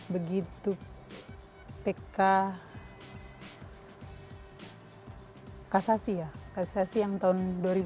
begitu pk kasasi ya kasasi yang tahun dua ribu dua